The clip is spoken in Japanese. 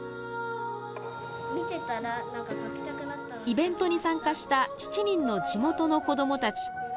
イベントに参加した７人の地元の子どもたち。